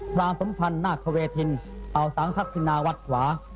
พรามสมพันธ์หน้าเขเวทินเปาสังภักษณาวัดขวา